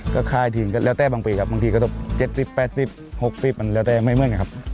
ก็ขายทีนก็แล้วแต่บางปีครับบางทีก็ตกเจ็ดสิบแปดสิบหกสิบมันแล้วแต่ไม่เหมือนไงครับ